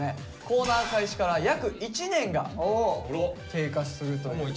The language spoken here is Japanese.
コーナー開始から約１年が経過するという。